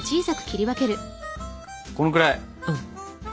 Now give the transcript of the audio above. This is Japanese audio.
このくらい？